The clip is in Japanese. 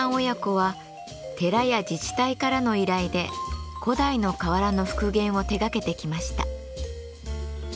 親子は寺や自治体からの依頼で古代の瓦の復元を手がけてきました。